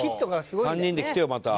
３人で来てよまた。